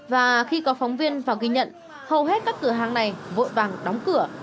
và khi có phóng viên vào ghi nhận hầu hết các cửa hàng này vội vàng đóng cửa